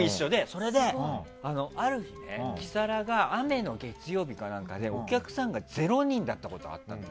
それで、ある日キサラが雨の月曜日かなんかでお客さんが０人だったことがあったの。